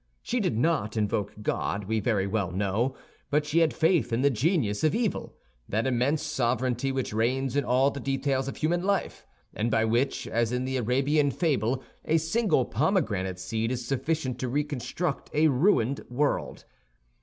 She did not invoke God, we very well know, but she had faith in the genius of evil—that immense sovereignty which reigns in all the details of human life, and by which, as in the Arabian fable, a single pomegranate seed is sufficient to reconstruct a ruined world.